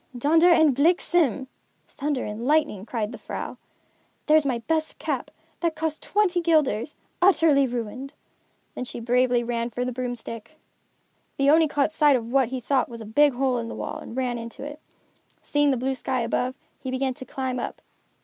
"Donder en Bliksem" (thunder and lightning), cried the vrouw. "There's my best cap, that cost twenty guilders, utterly ruined." Then she bravely ran for the broomstick. The Oni caught sight of what he thought was a big hole in the wall and ran into it. Seeing the blue sky above, he began to climb up.